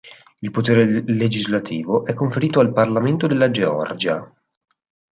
Il potere legislativo è conferito al Parlamento della Georgia.